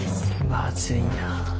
まずいな。